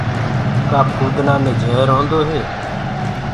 ڪآ ڀمڀڻيآنٚ مي جهر هوندو هي۔